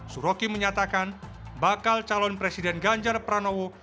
suroki menyatakan bakal calon presiden ganjar pranowo